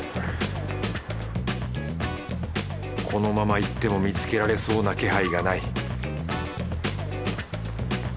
このまま行っても見つけられそうな気配がない